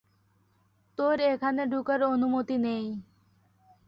তোর এখানে ঢোকার অনুমতি নেই।